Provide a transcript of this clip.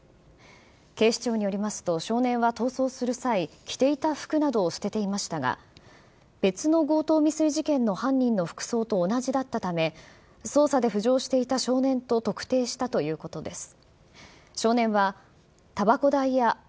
警視庁によりますと、少年は逃走する際、着ていた服などを捨てていましたが、別の強盗未遂事件の犯人の服装と同じだったため、捜査で浮上していた少年と特定したということです。